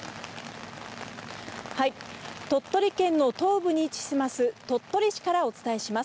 鳥取県の東部に位置します、鳥取市からお伝えします。